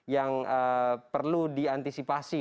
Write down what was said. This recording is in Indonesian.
yang perlu diantisipasi